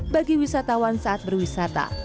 bagi wisatawan saat berwisata